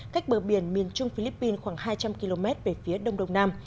cách bờ biển miền trung philippines khoảng hai trăm linh km về phía đông đông nam